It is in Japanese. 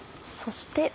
そして。